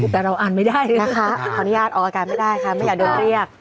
แต่เราอ่านไม่ได้นะคะขออนุญาตออกอาการไม่ได้ค่ะไม่อยากโดนเรียก